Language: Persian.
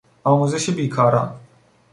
آموزش بیکاران